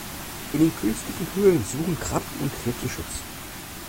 In den künstlichen Höhlen suchen Krabben und Krebse Schutz.